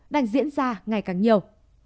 đang diễn ra ngày càng nhiều